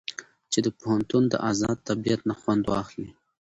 چې د پوهنتون د ازاد طبيعت نه خوند واخلي.